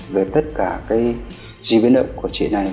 về tất cả cái di biến động của chị này